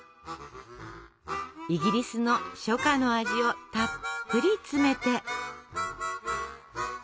イギリスの初夏の味をたっぷり詰めて。